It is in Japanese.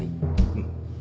うん。